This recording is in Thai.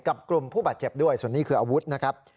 กลุ่มผู้บาดเจ็บด้วยส่วนนี้คืออาวุธนะครับ